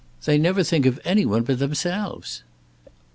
They never think of any one but themselves."